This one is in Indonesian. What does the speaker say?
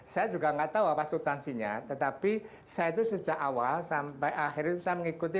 saya juga nggak tahu apa subtansinya tetapi saya itu sejak awal sampai akhir itu saya mengikuti